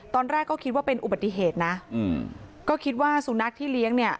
ตอนแรกก็คิดว่าเป็นอุบัติเหตุนะอืมก็คิดว่าสุนัขที่เลี้ยงเนี่ย